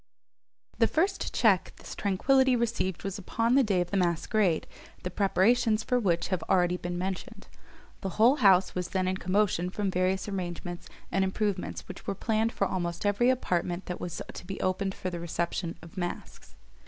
The first check this tranquillity received was upon the day of the masquerade, the preparations for which have been already mentioned. The whole house was then in commotion from various arrangements and improvements which were planned for almost every apartment that was to be opened for the reception of masks.